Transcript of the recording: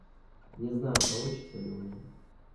Не знаю, получится ли у меня.